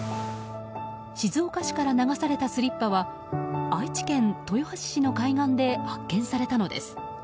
静岡市から流されたスリッパは愛知県豊橋市の海岸で発見されたのです。